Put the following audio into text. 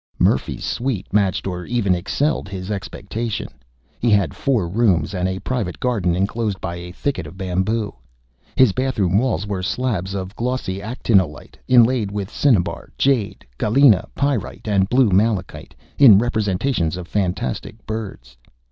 Murphy's suite matched or even excelled his expectation. He had four rooms and a private garden enclosed by a thicket of bamboo. His bathroom walls were slabs of glossy actinolite, inlaid with cinnabar, jade, galena, pyrite and blue malachite, in representations of fantastic birds.